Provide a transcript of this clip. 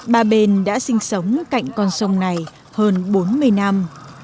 bà bền đã sinh sống cạnh con sông này hơn bốn mươi năm